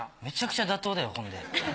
めちゃくちゃ妥当だよほんで。